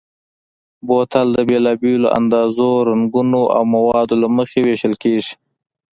بوتل د بېلابېلو اندازو، رنګونو او موادو له مخې وېشل کېږي.